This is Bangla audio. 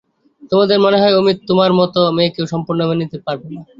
তোমার মনে হয় অমিত তোমার মতো মেয়েকেও সম্পূর্ণ মেনে নিতে পারবে না?